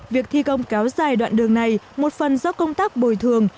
việc thi công kéo dài đoạn đường này một phần do công tác bồi thường